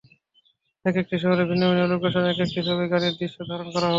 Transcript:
একেকটি শহরের ভিন্ন ভিন্ন লোকেশনে একেকটি ছবির গানের দৃশ্য ধারণ করা হবে।